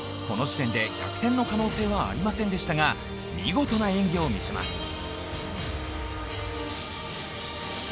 この時点で逆転の可能性はありませんでしたが見事な演技を見せます。